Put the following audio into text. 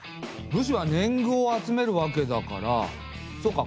武士は年貢を集めるわけだからそうか！